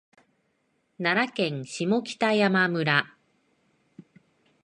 奈良県下北山村